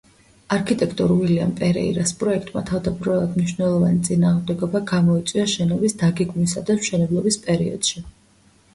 არქიტექტორ უილიამ პერეირას პროექტმა თავდაპირველად მნიშვნელოვანი წინააღმდეგობა გამოიწვია შენობის დაგეგმვისა და მშენებლობის პერიოდში.